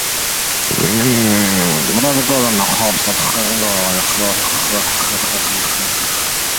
The prosecution hopes that Werunga will be their witness.